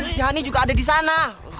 si hani juga ada disana